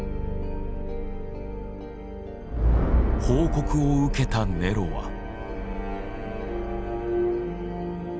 報告を受けたネロは。